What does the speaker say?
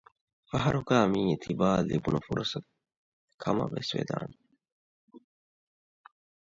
ފަހަރުގައި މިއީ ތިބާއަށް ލިބުނު ފުރުޞަތުކަމަށްވެސް ވެދާނެ